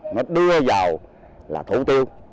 nó đưa vào là thủ tiêu